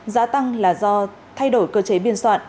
giá tăng là do thay đổi cơ chế biên soạn